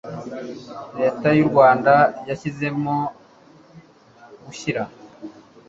leta y'urwanda yahisemo gushyira